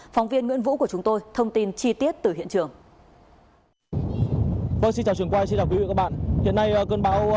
phóng viên nguyễn vũ của chúng tôi thông tin chi tiết từ hiện trường